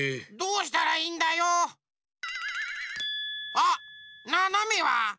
あっななめは？